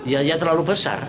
ya ya terlalu besar